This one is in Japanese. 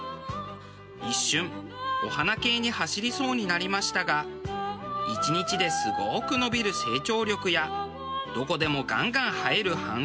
一瞬お花系に走りそうになりましたが１日ですごく伸びる成長力やどこでもガンガン生える繁殖力